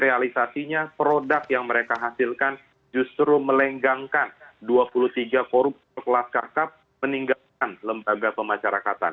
realisatinya produk yang mereka hasilkan justru melenggangkan dua puluh tiga korupsi kelas kakak meninggalkan lembaga pemacarakatan